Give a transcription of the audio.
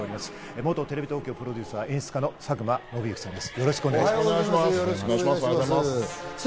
元テレビ東京プロデューサーの佐久間宣行さんです。